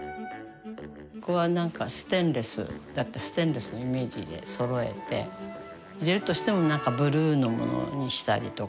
ここはなんかステンレスステンレスのイメージでそろえて入れるとしてもなんかブルーのものにしたりとか。